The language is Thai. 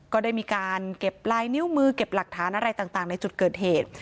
ก็ได้มีการเก็บลายนิ้วมือเก็บหลักฐานอะไรต่างในจุดเกิดเหตุ